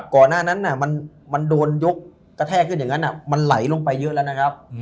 ก่อนหน้านั้นมันโดนยกกระแทกขึ้นอย่างนั้นมันไหลลงไปเยอะแล้วนะครับ